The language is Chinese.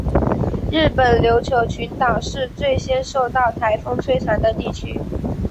日本琉球群岛是最先受到台风摧残的地区。